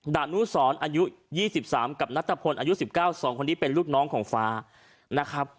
ด่านุศรอายุ๒๓กับนัทธพลอายุ๑๙สองคนนี้เป็นลูกน้องของฟ้า